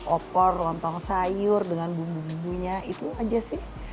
opor lontong sayur dengan bumbu bumbunya itu aja sih